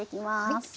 はい。